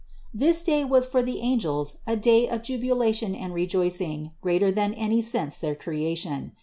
92. This day was for the angels a day of jubilation and rejoicing greater than any since their creation.